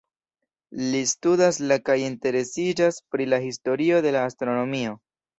Li studas la kaj interesiĝas pri la historio de la astronomio.